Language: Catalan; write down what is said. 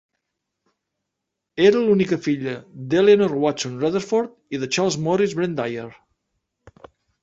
Era l'única filla d'Eleanor Watson Rutherford i de Charles Morris Brent-Dyer.